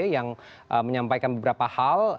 yang menyampaikan beberapa hal